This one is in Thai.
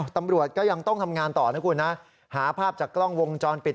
ตำรวจก็ยังต้องทำงานต่อนะคุณนะหาภาพจากกล้องวงจรปิด